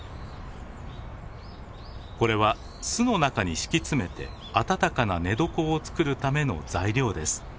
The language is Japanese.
これは巣の中に敷き詰めて暖かな寝床を作るための材料です。